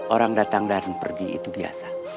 orang datang dan pergi itu biasa